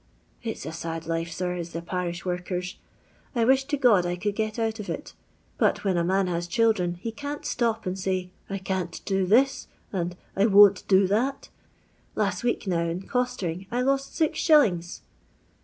" It 's a sad life, sir, is a parish worker's. I wish to God I could get out of it. But when a man has children he can't stop and say ' I can't do this,* and ' I won't do that' Last week, now, in costering, I lost Gs."